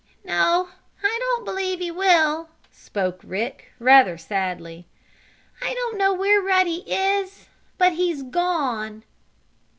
"No, I don't believe he will," spoke Rick, rather sadly. "I don't know where Ruddy is, but he's gone."